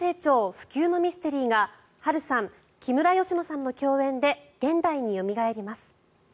不朽のミステリーが波瑠さん、木村佳乃さんの共演で現代によみがえります。